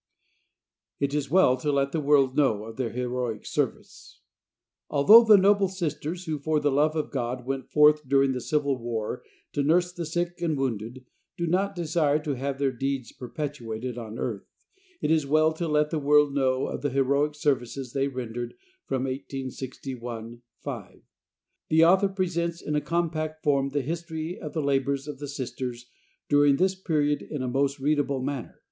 "It is Well to Let the World Know of Their Heroic Services." Although the noble Sisters who for the love of God went forth during the Civil War to nurse the sick and wounded do not desire to have their deeds perpetuated on earth, it is well to let the world know of the heroic services they rendered from 1861 5. The author presents in a compact form the history of the labors of the Sisters during this period in a most readable manner.